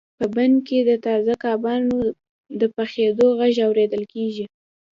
په پین کې د تازه کبانو د پخیدو غږ اوریدل کیږي